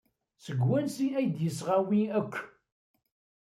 Seg wansi ay d-yesɣa wi akk?